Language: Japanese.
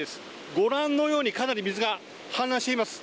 ご覧のように、かなり水が氾濫しています。